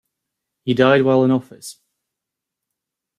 He died while in office.